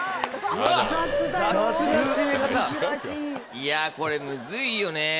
いやこれムズいよね。